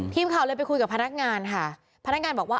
ทีมข่าวเลยไปคุยกับพนักงานค่ะพนักงานบอกว่า